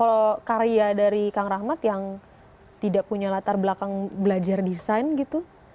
kalau karya dari kang rahmat yang tidak punya latar belakang belajar desain gitu